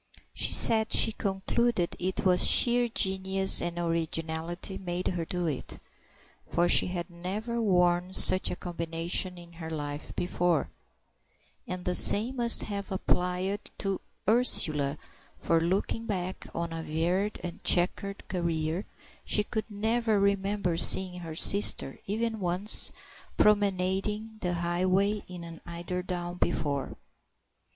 She said she concluded it was sheer genius and originality made her do it, for she had never worn such a combination in her life before; and the same must have applied to Ursula, for, looking back on a varied and chequered career, she could never remember seeing her sister, even once, promenading the highway in an eiderdown before.